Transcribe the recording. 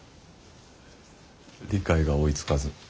理解が追いつかず。